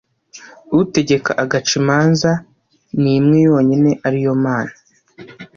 utegeka agaca imanza ni imwe yonyine ari yo mana